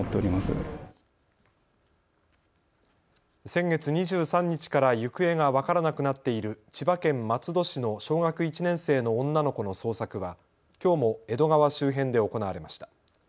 先月２３日から行方が分からなくなっている千葉県松戸市の小学１年生の女の子の捜索は、きょうも江戸川周辺で行われました。